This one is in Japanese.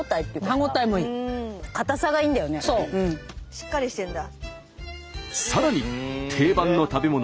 しっかりしてるんだ。